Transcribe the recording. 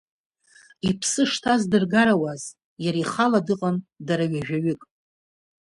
Иԥсы шҭаз дыргарауаз, иара ихала дыҟан, дара ҩажәаҩык.